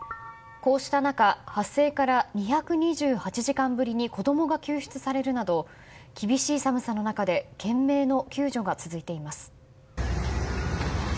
こうした中発生から２２８時間ぶりに子供が救出されるなど厳しい寒さの中で懸命の救助が続いています。